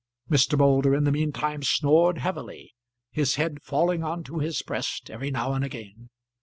Mr. Moulder in the meantime snored heavily, his head falling on to his breast every now and again.